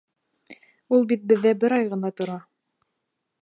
Ул бит беҙҙә бер ай ғына тора.